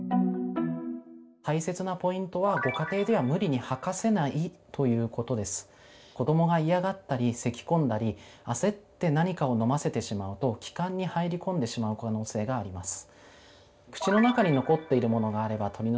大切なポイントはご家庭では子どもが嫌がったりせきこんだり焦って何かを飲ませてしまうと気管に入り込んでしまう可能性があります。